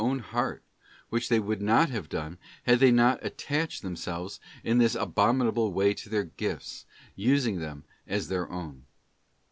— 287 own heart, which they would not have done had they not attached themselves in this abominable way to their gifts, using them as their own.